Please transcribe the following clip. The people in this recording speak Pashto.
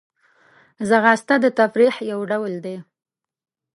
ځغاسته د تفریح یو ډول دی